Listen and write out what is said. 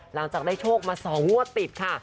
หลังจากได้โชคมา๒งวดติดค่ะ